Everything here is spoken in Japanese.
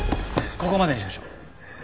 ここまでにしましょう。